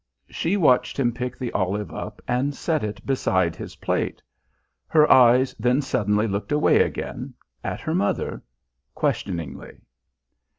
She watched him pick the olive up and set it beside his plate. Her eyes then suddenly looked away again at her mother questioningly.